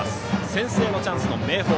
先制のチャンス、明豊。